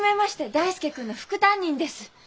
大介君の副担任です。